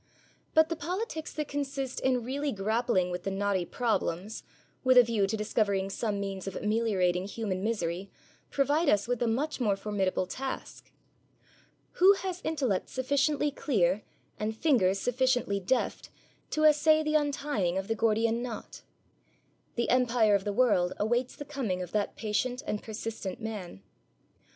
But the politics that consist in really grappling with the knotty problems, with a view to discovering some means of ameliorating human misery, provide us with a much more formidable task. Who has intellect sufficiently clear, and fingers sufficiently deft, to essay the untying of the Gordian knot? The empire of the world awaits the coming of that patient and persistent man.